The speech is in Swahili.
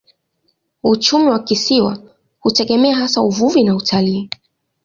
Uchumi wa kisiwa hutegemea hasa uvuvi na utalii.